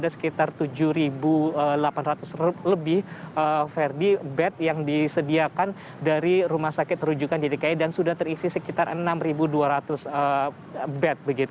ada sekitar tujuh delapan ratus lebih ferdi bed yang disediakan dari rumah sakit terujukan di dki dan sudah terisi sekitar enam dua ratus bed